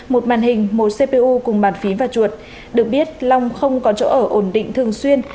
một màn hình một cpu cùng bản phí và chuột được biết long không có chỗ ở ổn định thường xuyên